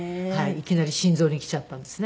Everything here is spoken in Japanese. いきなり心臓にきちゃったんですね